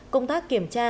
công tác kiểm tra kiểm soát